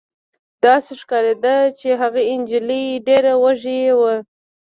داسې ښکارېده چې هغه نجلۍ ډېره وږې وه